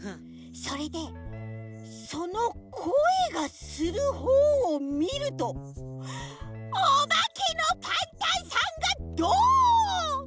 それでそのこえがするほうをみるとおばけのパンタンさんがどん！